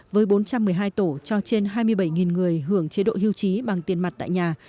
với bốn trăm một mươi hai tổ cho trên hai mươi bảy người hưởng chế độ hưu trí bằng tiền mặt tại nhà